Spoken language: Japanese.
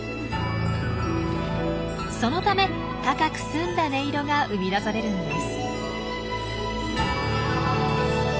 そのため高く澄んだ音色が生み出されるんです。